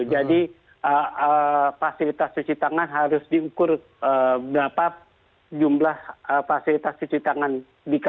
jadi fasilitas cuci tangan harus diukur berapa jumlah fasilitas cuci tangan dikatakan